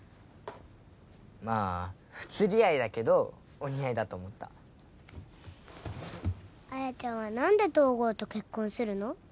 まあ不釣り合いだけどお似合いだと思った綾ちゃんは何で東郷と結婚するの？